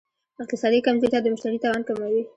اقتصادي کمزورتیا د مشتري توان کموي.